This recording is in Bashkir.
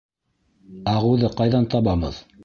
Ағыуҙы ҡайҙан табабыҙ?